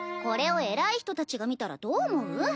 これを偉い人たちが見たらどう思う？